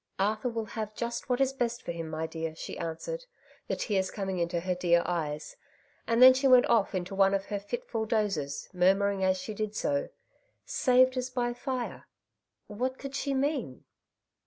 '^^ Arthur will have just what is best for him, my dear/ she answered, the tears coming into her dear eyes ; and then she went oflf into one of her fitful dozes, murmuring as she did so, ^ Saved as by fire.' What could she mean